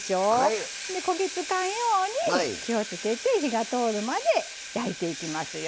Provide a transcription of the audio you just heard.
で焦げ付かんように気をつけて火が通るまで焼いていきますよ。